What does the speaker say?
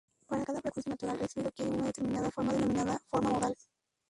Para cada frecuencia natural, el sólido adquiere una determinada forma denominada forma modal.